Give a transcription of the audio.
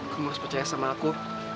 kamu harus percaya sama aku